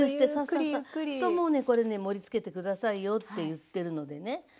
するともうねこれね盛りつけて下さいよっていってるのでね。